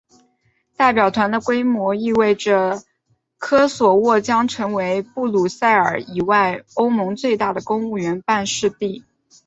代表团的规模意味着科索沃将成为布鲁塞尔以外欧盟最大的公务员办事地。